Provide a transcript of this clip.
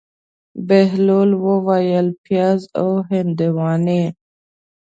بهلول وویل: پیاز او هندواڼې.